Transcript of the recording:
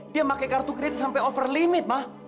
dia pakai kartu kredit sampai over limit mah